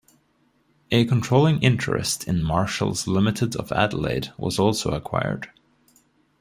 A controlling interest in Marshall's Limited of Adelaide was also acquired.